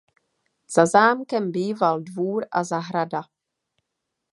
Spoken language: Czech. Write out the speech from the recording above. Za zámkem býval dvůr a zahrada.